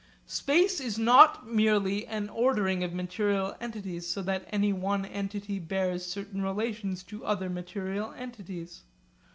Space is not merely an ordering of material entities so that any one entity bears certain relations to other material entities.